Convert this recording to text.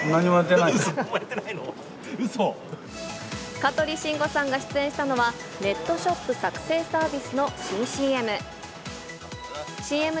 香取慎吾さんが出演したのは、ネットショップ作成サービスの新ＣＭ。